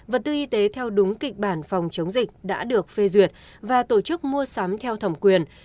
vật tư y tế theo đúng kịch bản phòng chống dịch đã được phê duyệt và tổ chức mua sắm theo thẩm quyền